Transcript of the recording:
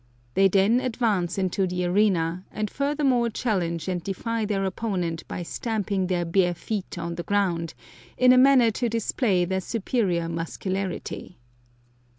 They then advance into the arena, and furthermore challenge and defy their opponent by stamping their bare feet on the ground, in a manner to display their superior muscularity.